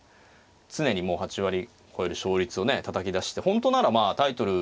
常にもう８割超える勝率をねたたき出して本当ならタイトル